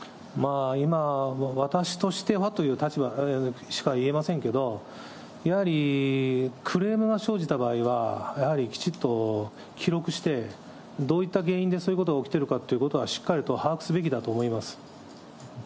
今、私としてはという立場でしか言えませんけど、やはりクレームが生じた場合は、やはりきちっと記録して、どういった原因でそういうことが起きているかということは、しっかりと把握すべきだと思います。